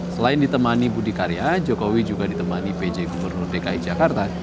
selain ditemani budi karya jokowi juga ditemani pj gubernur dki jakarta